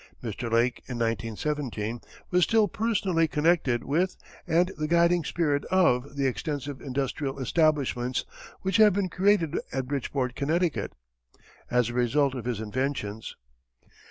Mr. Lake in 1917 was still personally connected with and the guiding spirit of the extensive industrial establishments which have been created at Bridgeport, Conn., as a result of his inventions.